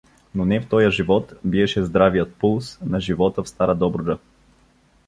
Но не в тоя живот биеше здравият пулс на живота в стара Добруджа.